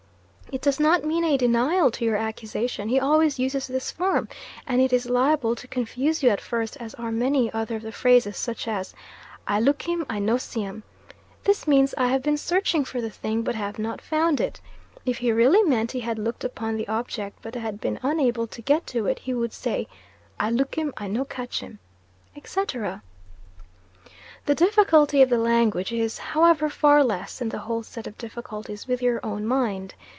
It does not mean a denial to your accusation; he always uses this form, and it is liable to confuse you at first, as are many other of the phrases, such as "I look him, I no see him "; this means "I have been searching for the thing but have not found it"; if he really meant he had looked upon the object but had been unable to get to it, he would say: "I look him, I no catch him," etc. The difficulty of the language is, however, far less than the whole set of difficulties with your own mind.